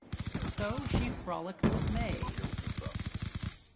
So she frolicked with Mae.